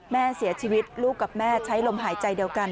แม่เสียชีวิตลูกกับแม่ใช้ลมหายใจเดียวกัน